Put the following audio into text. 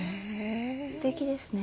すてきですね。